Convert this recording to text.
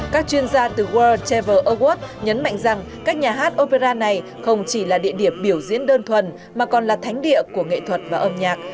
các chuyên gia từ world travel award nhấn mạnh rằng các nhà hát opera này không chỉ là địa điểm biểu diễn đơn thuần mà còn là thánh địa của nghệ thuật và âm nhạc